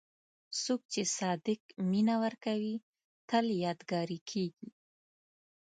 څوک چې صادق مینه ورکوي، تل یادګاري کېږي.